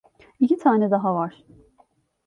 İki tane daha var.